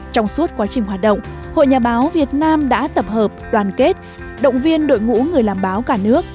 trong suốt quá trình hoạt động hội nhà báo việt nam đã tập hợp đoàn kết động viên đội ngũ người làm báo cả nước